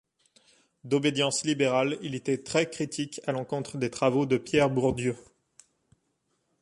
D'obédience libérale, il était très critique à l'encontre des travaux de Pierre Bourdieu.